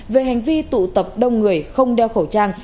về hành vi tụ tập đông người không đeo khẩu trang